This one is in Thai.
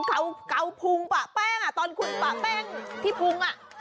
เอ้าเค้าภูกษ์ปะแป้งอ่ะตอนแป๊งที่ภูกษ์